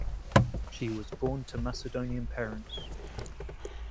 She was born to Macedonian parents.